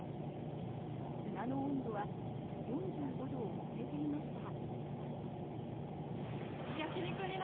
砂の温度は４５度を超えていました。